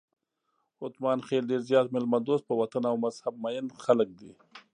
اتمانخېل ډېر زیات میلمه دوست، په وطن او مذهب مېین خلک دي.